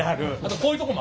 こういうとこも。